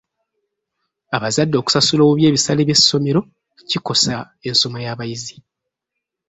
Abazadde okusasula obubi ebisale by'essomero kikosa ensoma y'abayizi.